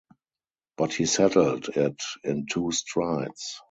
But he settled it in two strides.